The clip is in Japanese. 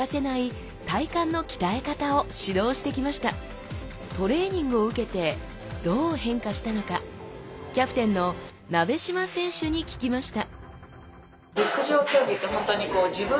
実はトレーニングを受けてどう変化したのかキャプテンの鍋島選手に聞きました